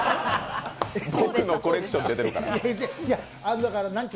僕のコレクション出てるから。